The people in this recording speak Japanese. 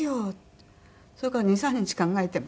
それから２３日考えてまた。